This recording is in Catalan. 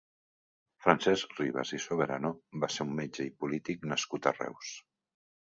Francesc Ribas i Soberano va ser un metge i polític nascut a Reus.